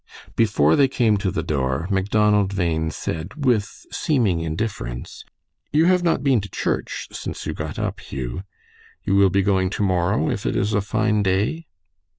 Before they came to the door, Macdonald Bhain said, with seeming indifference, "You have not been to church since you got up, Hugh. You will be going to morrow, if it is a fine day?"